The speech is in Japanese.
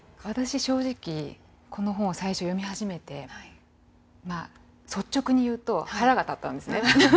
私正直この本を最初読み始めてまあ率直に言うと腹が立ったんですね。